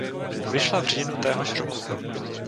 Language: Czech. Vyšla v říjnu téhož roku.